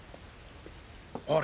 あれ？